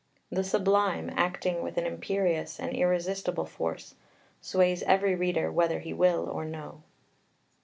The Sublime, acting with an imperious and irresistible force, sways every reader whether he will or no."